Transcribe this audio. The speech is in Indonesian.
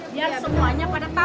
biar semuanya pada tau